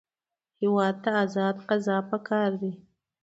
هېواد ته ازاد قضا پکار دی